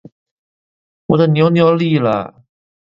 我的牛牛立了